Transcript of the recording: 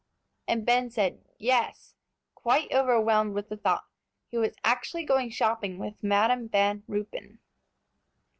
And Ben said "Yes," quite overwhelmed with the thought. He was actually going shopping with Madam Van Ruypen!